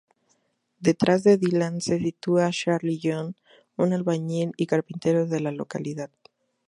Detrás de Dylan se sitúa Charlie Joy, un albañil y carpintero de la localidad.